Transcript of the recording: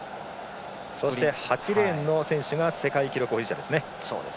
そして８レーンの選手が世界記録保持者。